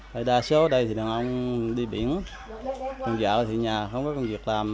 thì đa số ở đây thì đàn ông đi biển còn dạo thì nhà không có công việc làm